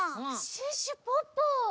シュッシュポッポ。